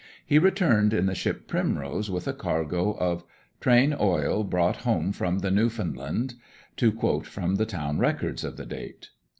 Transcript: He returned in the ship Primrose with a cargo of 'trayne oyle brought home from the New Founde Lande,' to quote from the town records of the date.